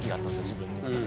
自分の中で。